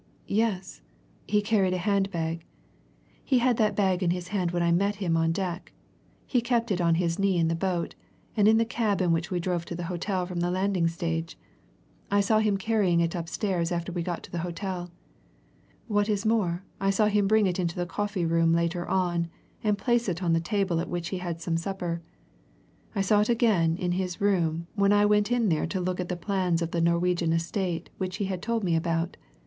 "Yes, he carried a hand bag. He had that bag in his hand when I met him on deck; he kept it on his knee in the boat, and in the cab in which we drove to the hotel from the landing stage; I saw him carrying it upstairs after we got to the hotel. What is more, I saw him bring it into the coffee room later on, and place it on the table at which he had some supper. I saw it again in his room when I went in there to look at the plans of the Norwegian estate which he had told me about.